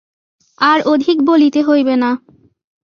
আর অধিক বলিতে হইবে না।